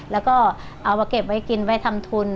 แล้วก็เอามาเก็บไว้กินไว้ทำทุน